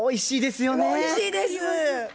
おいしいですよね。